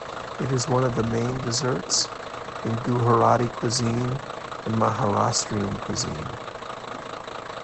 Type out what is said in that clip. It is one of the main desserts in Gujarati Cuisine and Maharashtrian cuisine.